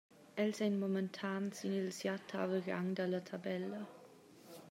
Els ein momentan sin il siatavel rang dalla tabella.